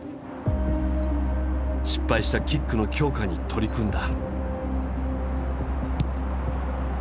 失敗したキックの強化に取り組んだ。